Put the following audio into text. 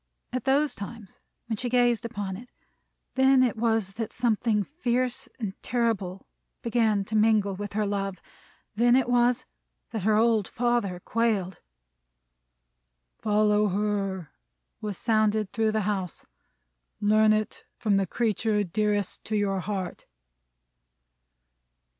At those times, when she gazed upon it, then it was that something fierce and terrible began to mingle with her love. Then it was that her old father quailed. "Follow her!" was sounded through the house. "Learn it, from the creature dearest to your heart!"